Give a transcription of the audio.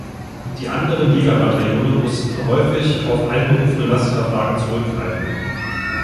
Die anderen Jägerbataillone mussten häufig auf einberufene Lastkraftwagen zurückgreifen.